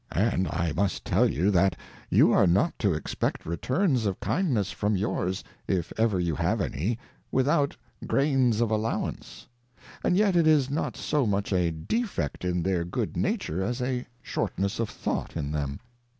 And I must tell you, that you are not to expect Returns of Kindness from yours, if ever you have any, without Grains of Allowance ; and yet it is not so much a defect in their good Nature, as a shortness of Thought in them.